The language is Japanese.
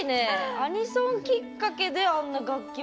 アニソンきっかけであんな楽器も